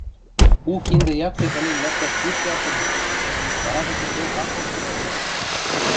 У киндӹ якте ӹлен лӓктӓш пиш ясы лиэш, варажы тӹнгеок ак ойхыры ылнежӹ...